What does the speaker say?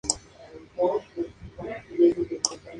Ese fichaje es el más importante realizado entre equipos franceses.